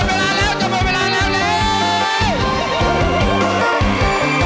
เข้ามาข้าวมานะ